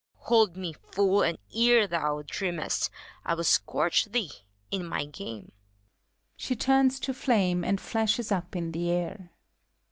Hold me. Fool, and ere thou dreamest I will scorch thee, in my game. (She turns to flame and flashes up in the air.)